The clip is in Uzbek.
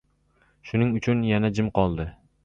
Shuning uchun yana jim qoldi.